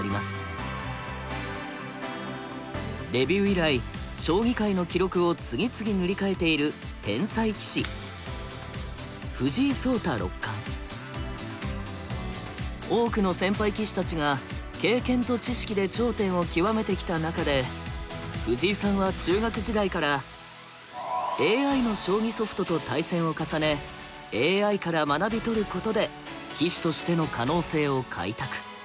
デビュー以来将棋界の記録を次々塗り替えている天才棋士多くの先輩棋士たちが経験と知識で頂点を極めてきた中で藤井さんは中学時代からＡＩの将棋ソフトと対戦を重ねＡＩから学び取ることで棋士としての可能性を開拓。